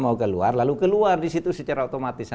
mau keluar lalu keluar di situ secara otomatis